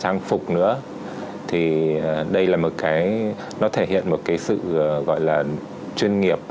trang phục nữa thì đây là một cái nó thể hiện một cái sự gọi là chuyên nghiệp